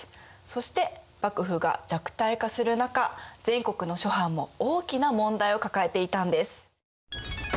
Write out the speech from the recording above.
そして幕府が弱体化する中全国の諸藩も大きな問題を抱えていたんです。